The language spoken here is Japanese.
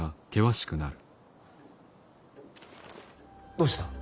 どうした？